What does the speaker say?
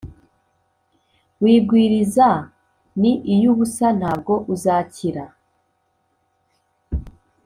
wigwiriza ni iy ubusa ntabwo uzakira